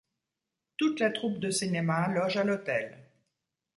Toute la troupe de cinéma loge à l'hôtel.